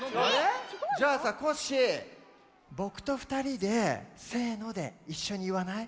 じゃあさコッシーぼくとふたりでせのでいっしょにいわない？